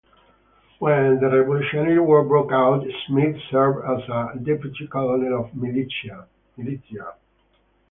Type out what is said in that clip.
When the Revolutionary War broke out, Smith served as a deputy colonel of militia.